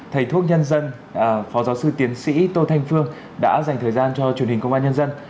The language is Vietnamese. thưa quý vị thưa quý nhân dân phó giáo sư tiến sĩ tô thanh phương đã dành thời gian cho truyền hình công an nhân dân